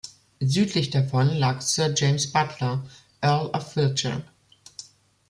Südlich davon lag Sir James Butler, Earl of Wiltshire.